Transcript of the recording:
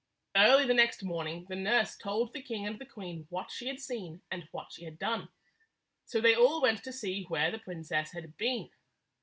Early the next morning the nurse told the king and the queen what she had seen and what she had done. So they all went to see where the princess had been.